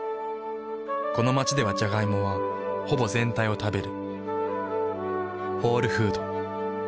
この街ではジャガイモはほぼ全体を食べる。